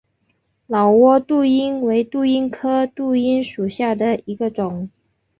老挝杜英为杜英科杜英属下的一个种。